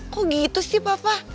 kok gitu sih papa